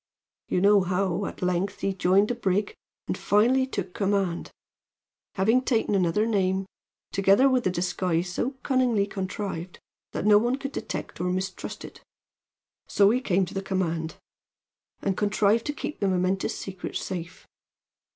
You know how, at length, he joined the brig and finally took command, having taken another name, together with a disguise so cunningly contrived that no one could detect or mistrust it. So he came to the command, and he contrived to keep the momentous secret safe.